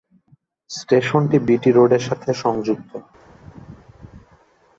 স্টেশনটি বিটি রোডের সাথে যুক্ত।